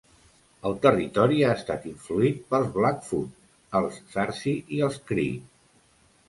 El territori ha estat influït pels blackfoot, els sarsi i els cree.